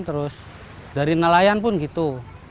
terus dari nelayan pun gitu